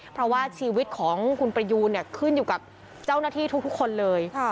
เพราะว่าชีวิตของคุณประยูนขึ้นอยู่กับเจ้าหน้าที่ทุกคนเลย